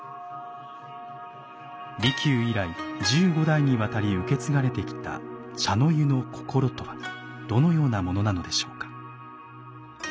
利休以来十五代にわたり受け継がれてきた茶の湯のこころとはどのようなものなのでしょうか。